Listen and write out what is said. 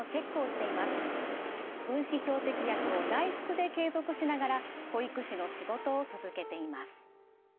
分子標的薬を内服で継続しながら保育士の仕事を続けています。